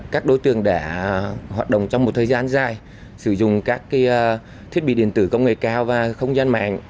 các đối tượng đã hoạt động trong một thời gian dài sử dụng các thiết bị điện tử công nghệ cao và không gian mạng